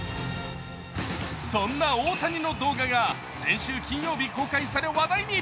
そんな大谷の動画が先週金曜日公開され話題に。